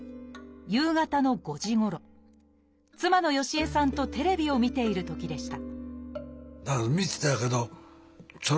夕方の５時ごろ妻のヨシ江さんとテレビを見ているときでした